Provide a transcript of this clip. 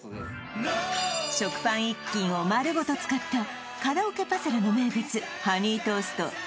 食パン１斤を丸ごと使ったカラオケパセラの名物ハニートースト